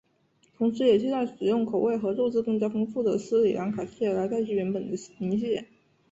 同时也替代使用口味和肉质更加丰富的斯里兰卡蟹来代替原本的泥蟹。